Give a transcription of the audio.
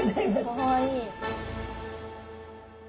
かわいい。